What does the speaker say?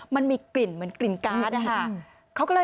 มันมีกลิ่นเหมือนกลิ่นก๊าซ